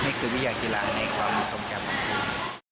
นี่คือวิทยากีฬาในความสมจำของครู